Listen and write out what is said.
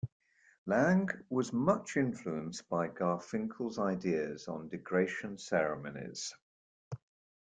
Laing, was much influenced by Garfinkel's ideas on 'degradation ceremonies'.